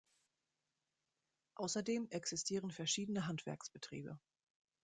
Außerdem existieren verschiedene Handwerksbetriebe.